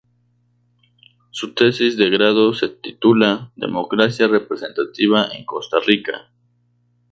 Su tesis de grado se titula "“¿Democracia representativa en Costa Rica?